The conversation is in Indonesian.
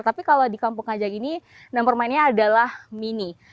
tapi kalau di kampung kajang ini nama permainannya adalah mini